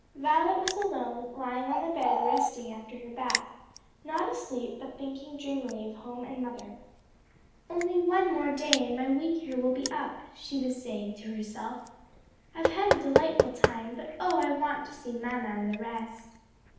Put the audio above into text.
_ Violet was alone, lying on the bed, resting after her bath, not asleep, but thinking dreamily of home and mother. "Only one more day and my week here will be up," she was saying to herself. "I've had a delightful time, but oh I want to see mamma and the rest!"